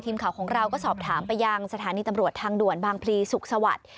ทีมข่าวของเราก็สอบถามไปยังสถานีตำรวจทางด่วนบางพลีสุขสวัสดิ์